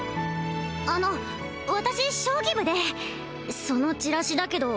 あの私将棋部でそのチラシだけど